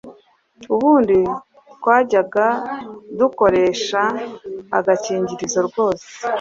Ubundi twajyaga dukoresha agakingirizo rwose!